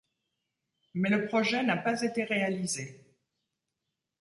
Mais le projet n’a pas été réalisé.